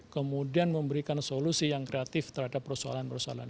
kemudian memberikan solusi yang kreatif terhadap persoalan persoalan